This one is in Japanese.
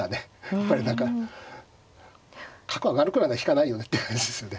やっぱり何か角を上がるからには引かないよねって感じですよね。